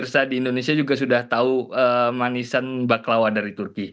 dalam keadaan indonesia sudah tahu itu panasan baklawa dari turki marak